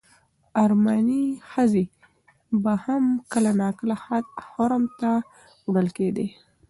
ارمني ښځې به هم کله ناکله حرم ته وړل کېدې.